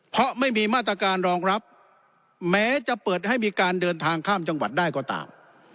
เพราะไม่มีมาตรการรองรับแม้จะเปิดให้มีการเดินทางข้ามจังหวัดได้ก็ตาม